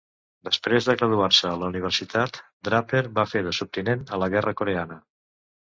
Després de graduar-se a la universitat, Draper va fer de subtinent a la guerra coreana.